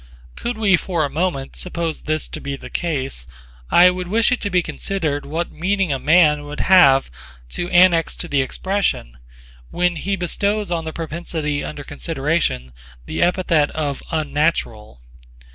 Could we for a moment suppose this to be the case, I would wish it to be considered what meaning a man would have to annex to the expression, when he bestows on the propensity under consideration the epithet of unnatural.